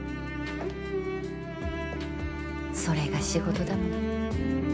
それが仕事だもの。